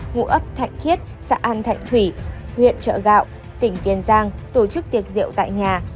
ngụ ấp thạnh khiết xã an thạnh thủy huyện chợ gạo tình tiền giang tổ chức tiệc rượu tại nhà